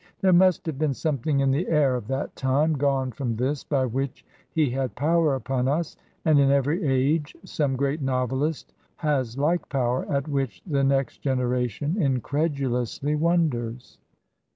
There must have been something in the air of that time, gone from this, by which he had power upon us ; and in every age some great novelist has like power at which the next generation incredidously wonders.